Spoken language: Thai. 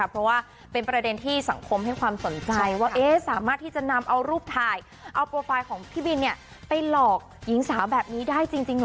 เพราะว่าเป็นประเด็นที่สังคมให้ความสนใจว่าสามารถที่จะนำเอารูปถ่ายเอาโปรไฟล์ของพี่บินไปหลอกหญิงสาวแบบนี้ได้จริงเหรอ